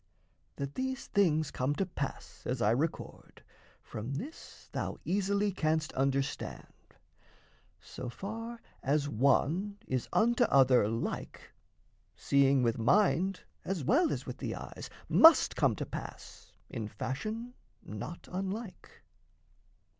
That these things come to pass as I record, From this thou easily canst understand: So far as one is unto other like, Seeing with mind as well as with the eyes Must come to pass in fashion not unlike.